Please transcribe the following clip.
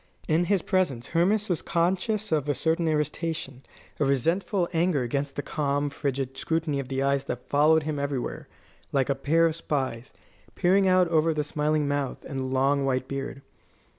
In his presence Hermas was conscious of a certain irritation, a resentful anger against the calm, frigid scrutiny of the eyes that followed him everywhere, like a pair of spies, peering out over the smiling mouth and the long white beard.